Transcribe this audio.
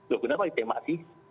loh kenapa ditembak sih